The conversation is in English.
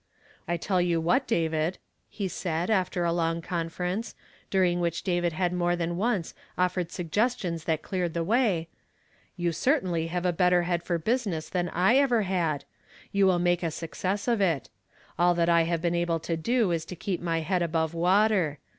" I tell you what, David," he said, after a long conference, during which David had more tlian once offered suggestions that cleared the way ; "you certainly have a better head for business than I ever had ; you will make a success of it. All that I have been able to do is to keep my liead above water.